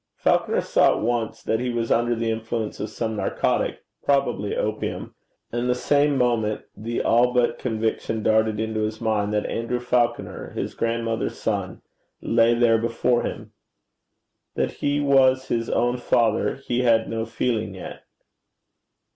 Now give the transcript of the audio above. Falconer saw at once that he was under the influence of some narcotic, probably opium; and the same moment the all but conviction darted into his mind that Andrew Falconer, his grandmother's son, lay there before him. That he was his own father he had no feeling yet.